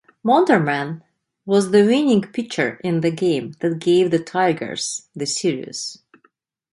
Bonderman was the winning pitcher in the game that gave the Tigers the series.